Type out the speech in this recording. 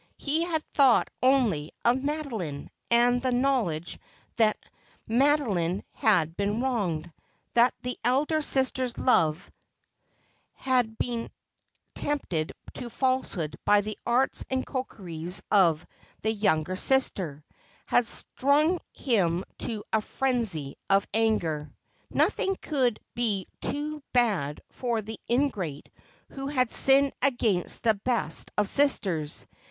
He had thought only of Madeline ; and the knowledge that Madoline had been wronged— that the elder sister's love had been tempted to falsehood by the arts and coquetries of the younger sister— had stung him to a frenzy of anger. Nothing could be too bad for the ingrate who had sinned against the best of sisters.